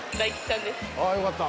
ああよかった。